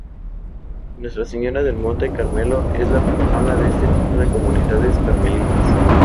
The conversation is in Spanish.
Nuestra Señora del Monte Carmelo es la patrona de este tipo de comunidades carmelitas.